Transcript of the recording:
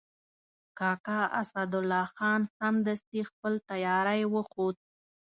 کاکا اسدالله خان سمدستي خپل تیاری وښود.